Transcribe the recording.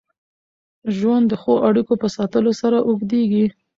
ژوند د ښو اړیکو په ساتلو سره اوږدېږي.